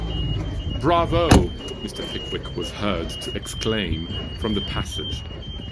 ‘Bravo!’ Mr. Pickwick was heard to exclaim, from the passage.